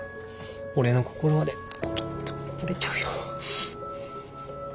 俺の心までポキッと折れちゃうよ。